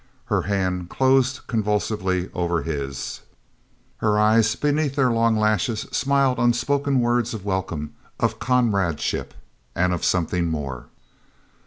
Her hand closed convulsively over his; her eyes beneath their long lashes smiled unspoken words of welcome, of comradeship, and of something more.